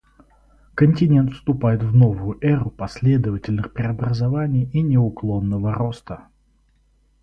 Континент вступает в новую эру последовательных преобразований и неуклонного роста.